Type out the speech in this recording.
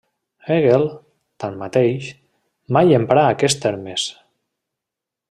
Hegel, tanmateix, mai emprà aquests termes.